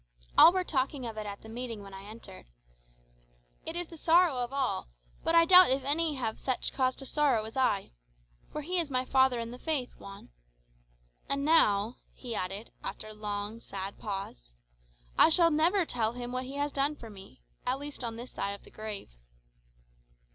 "All were talking of it at the meeting when I entered. It is the sorrow of all; but I doubt if any have such cause to sorrow as I. For he is my father in the faith, Juan. And now," he added, after a long, sad pause, "I shall never tell him what he has done for me at least on this side of the grave."